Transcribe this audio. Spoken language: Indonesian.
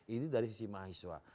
ini dari sisi mahasiswa